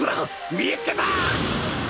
見つけた！